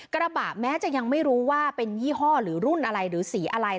กระบะแม้จะยังไม่รู้ว่าเป็นยี่ห้อหรือรุ่นอะไรหรือสีอะไร